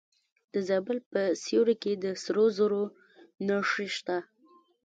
د زابل په سیوري کې د سرو زرو نښې شته.